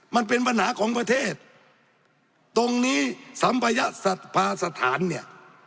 มันเป็นภัณฑ์ของประเทศตรงนี้สัมพยศภาษฐานเนี่ย